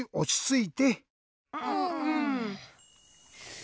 うん。